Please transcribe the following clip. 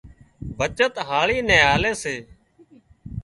بچت هاۯي نين آلي سي